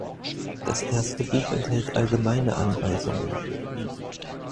Das erste Buch enthält allgemeine Anweisungen.